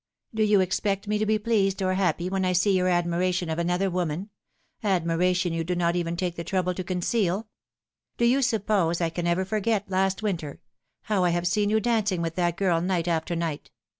" Do you expect me to be pleased or happy when I see your admiration of another woman admiration you do not even take the trouble to conceal ? Do you suppose I can ever forget last winter how I have seen you dancing with that girl night after night